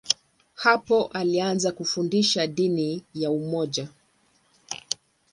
Hapo alianza kufundisha dini ya umoja.